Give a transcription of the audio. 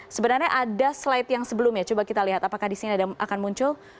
sebenarnya ada slide yang sebelumnya coba kita lihat apakah di sini akan muncul